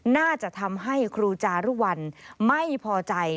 น่าจะทำให้ครูจารุวัลไม่พอใจ